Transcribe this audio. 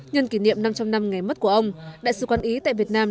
nhân kỷ niệm năm trăm linh năm ngày mất của ông đại sư quan ý tại việt nam